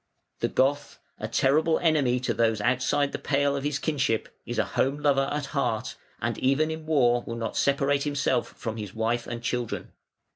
The Goth, a terrible enemy to those outside the pale of his kinship, is a home lover at heart, and even in war will not separate himself from his wife and children.